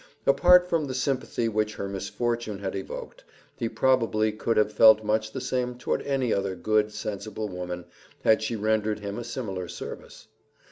Apart from the sympathy which her misfortune had evoked, he probably could have felt much the same toward any other good, sensible woman, had she rendered him a similar service.